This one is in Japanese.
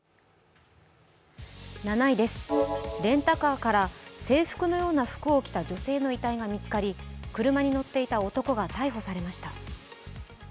７位です、レンタカーから制服のような服を着た女性の遺体が見つかり車に乗っていた男が逮捕されました。